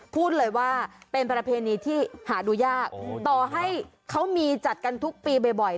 พูดเลยว่าเป็นประเพณีที่หาดูยากต่อให้เขามีจัดกันทุกปีบ่อย